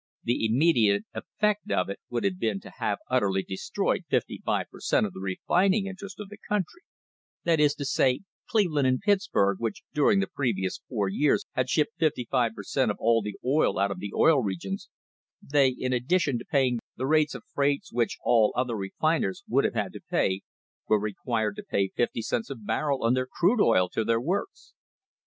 "The immediate effect of it would have been to have utterly destroyed fifty five per cent, of the refining interest of the country; that is to say, Cleveland and Pitts burg, which during the previous four years had shipped fifty five per cent, of all the oil out of the Oil Regions — they, in addition to paying the rates of freights which all other refiners would have had to pay, were required to pay fifty cents a barrel on their crude oil to their works."